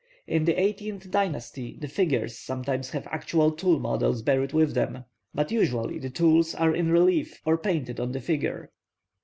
In the eighteenth dynasty the figures sometimes have actual tool models buried with them; but usually the tools are in relief or painted on the figure.